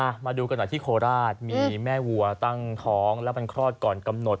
มาดูกันหน่อยที่โคราชมีแม่วัวตั้งท้องแล้วมันคลอดก่อนกำหนด